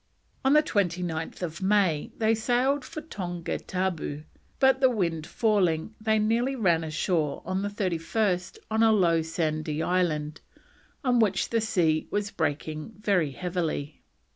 On 29th May they sailed for Tongatabu, but, the wind failing, they nearly ran ashore on the 31st on a low sandy island on which the sea was breaking very heavily.